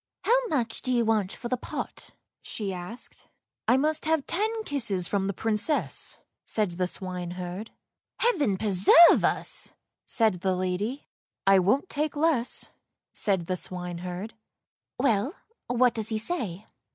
" How much do you want for the pot," she asked. " I must have ten kisses from the Princess," said the swine herd. " Heaven preserve us! " said the lady. " I won't take less," said the swineherd. " Well, what does he say?